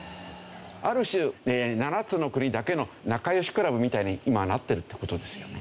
ある種７つの国だけの仲良しクラブみたいに今はなってるっていう事ですよね。